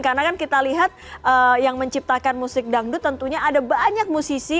karena kan kita lihat yang menciptakan musik dangdut tentunya ada banyak musisi